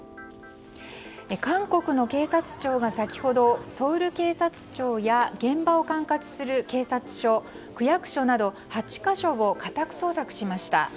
韓国の警察庁が先ほどソウル警察庁や現場を管轄する警察署区役所など８か所を家宅捜索しました。